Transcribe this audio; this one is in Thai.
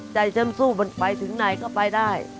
ใจฉันสู้มันไปถึงไหนก็ไปได้